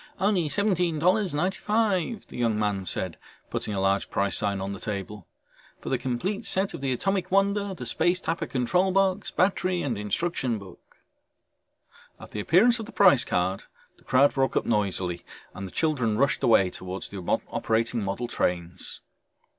"Only $17.95," the young man said, putting a large price sign on the table. "For the complete set of the Atomic Wonder, the Space Tapper control box, battery and instruction book ..." At the appearance of the price card the crowd broke up noisily and the children rushed away towards the operating model trains.